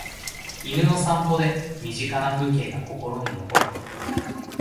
犬の散歩で身近な風景が心に残る